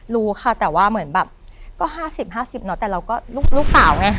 รู้ค่ะแต่ว่าเหมือนแบบก็ห้าสิบห้าสิบเนอะแต่เราก็ลูกสาวไง